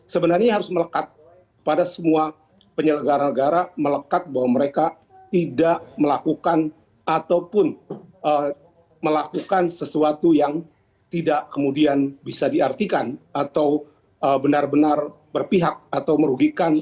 sebenarnya harus melekat pada semua penyelenggara negara melekat bahwa mereka tidak melakukan ataupun melakukan sesuatu yang tidak kemudian bisa diartikan atau benar benar berpihak atau merugikan